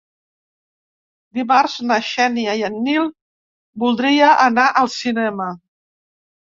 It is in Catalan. Dimarts na Xènia i en Nil voldria anar al cinema.